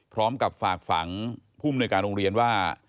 พร้อมกับฝากฝังผู้มนุยการโรงเรียนว่า